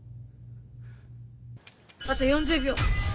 あと４０秒。